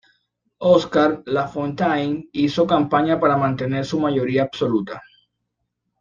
Oskar Lafontaine hizo campaña para mantener su mayoría absoluta.